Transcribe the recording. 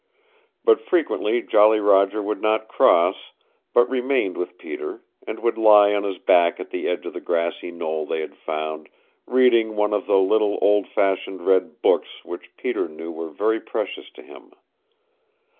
But frequently Jolly Roger would not cross, but remained with Peter, and would lie on his back at the edge of a grassy knoll they had found, reading one of the little old fashioned red books which Peter knew were very precious to him.